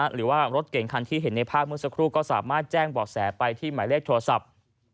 หรือว่ารถเก่งคันที่เห็นในภาพเมื่อสักครู่ก็สามารถแจ้งบ่อแสไปที่หมายเลขโทรศัพท์